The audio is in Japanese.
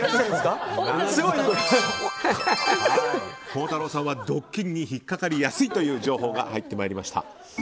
孝太郎さんはドッキリに引っかかりやすいという情報が入ってまいりました。